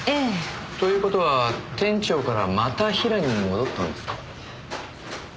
という事は店長からまたヒラに戻ったんですか？